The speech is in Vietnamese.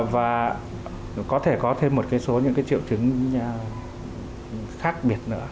và có thể có thêm một số những cái triệu trứng khác biệt nữa